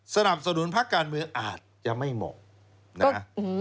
สนับสนุนพักการเมืองอาจจะไม่เหมาะนะฮะ